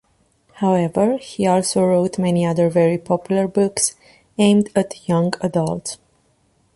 However, he also wrote many other very popular books aimed at young adults.